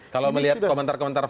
kalau melihat komentar komentar